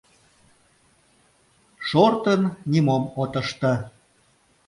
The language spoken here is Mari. Шортын, нимом от ыште.